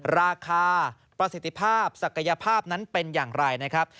ราคาประสิทธิภาพศักยภาพนั้นเป็นอย่างไรนะครับ